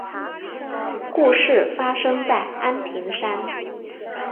故事发生在安平山。